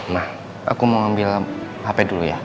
nah aku mau ambil hp dulu ya